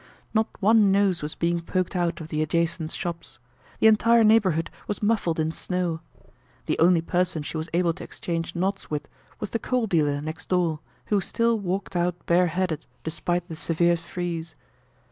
Not one nose was being poked out of the adjacent shops. The entire neighborhood was muffled in snow. The only person she was able to exchange nods with was the coal dealer next door, who still walked out bare headed despite the severe freeze.